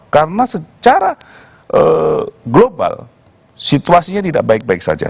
karena secara global situasinya tidak baik baik saja